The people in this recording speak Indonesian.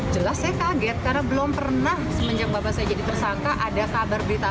jelas saya kaget karena belum pernah semenjak bapak saya jadi tersangka ada kabar berita